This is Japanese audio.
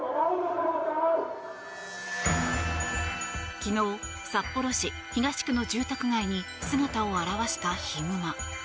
昨日、札幌市東区の住宅街に姿を現したヒグマ。